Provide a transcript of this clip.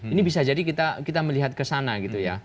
ini bisa jadi kita melihat ke sana gitu ya